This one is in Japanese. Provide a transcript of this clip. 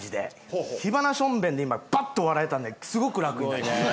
火花ションベンで今ばっと笑えたんですごく楽になりました。